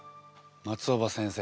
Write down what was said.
松尾葉先生